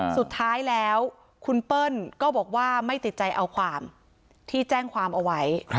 สุดท้ายแล้วคุณเปิ้ลก็บอกว่าไม่ติดใจเอาความที่แจ้งความเอาไว้